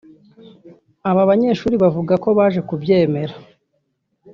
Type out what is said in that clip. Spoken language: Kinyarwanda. Aba banyeshuli bavuga ko baje kubyemera